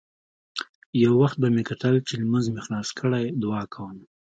يو وخت به مې کتل چې لمونځ مې خلاص کړى دعا کوم.